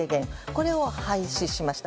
これを廃止しました。